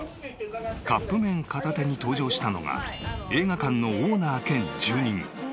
カップ麺片手に登場したのが映画館のオーナー兼住人切替桂ママ５４歳。